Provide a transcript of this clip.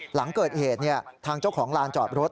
หลังเกิดเหตุทางเจ้าของลานจอดรถ